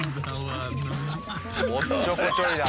おっちょこちょいだ。